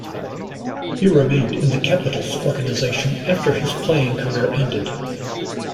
He remained in the Capitals organization after his playing career ended.